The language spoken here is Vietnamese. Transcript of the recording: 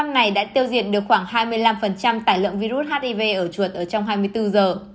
này đã tiêu diệt được khoảng hai mươi năm tải lượng virus hiv ở chuột ở trong hai mươi bốn giờ